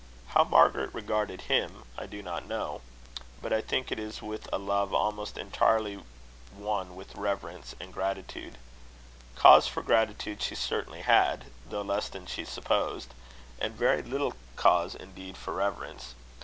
How Margaret regarded him I do not know; but I think it was with a love almost entirely one with reverence and gratitude. Cause for gratitude she certainly had, though less than she supposed; and very little cause indeed for reverence.